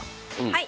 はい。